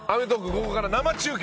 ここから生中継。